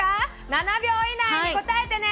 ７秒以内に答えてね。